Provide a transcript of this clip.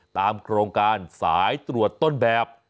ตามโครงการสายตรวจต้นแบบ